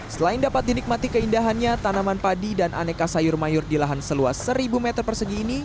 selain dapat dinikmati keindahannya tanaman padi dan aneka sayur mayur di lahan seluas seribu meter persegi ini